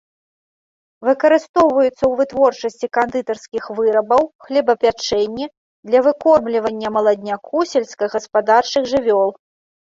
Выкарыстоўваюцца ў вытворчасці кандытарскіх вырабаў, хлебапячэнні, для выкормлівання маладняку сельскагаспадарчых жывёл.